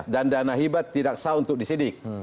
dan dana hibat tidak sah untuk disidik